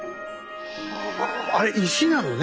はぁあれ石なのね。